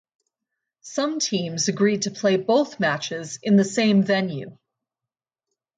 Some teams agreed to play both matches in the same venue.